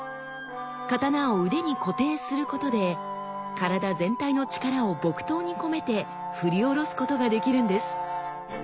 刀を腕に固定することで体全体の力を木刀に込めて振り下ろすことができるんです。